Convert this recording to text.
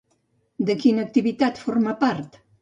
De quina activitat forma part?